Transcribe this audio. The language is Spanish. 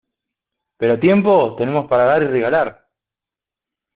pero tiempo tenemos para dar y regalar.